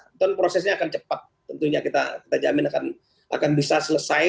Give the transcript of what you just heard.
tentu prosesnya akan cepat tentunya kita jamin akan bisa selesai